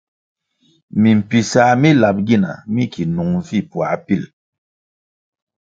Mimpisah mi lap gina mi ki nung vi puā pil.